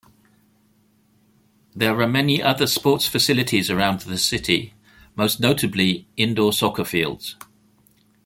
There are many other sports facilities around the city, most notably indoor soccer fields.